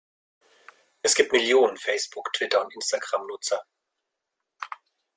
Es gibt Millionen Facebook-, Twitter- und Instagram-Nutzer.